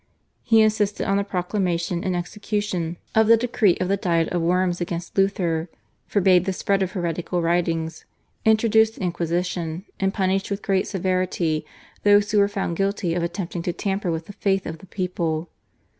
He insisted on the proclamation and execution of the decree of the Diet of Worms against Luther, forbade the spread of heretical writings, introduced the Inquisition, and punished with great severity those who were found guilty of attempting to tamper with the faith of the people.